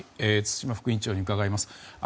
津島副院長に伺います。